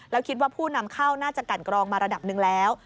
แล้วคิดว่าผู้นำเข้าน่าจะกันกรองมาระดับหนึ่งแล้ว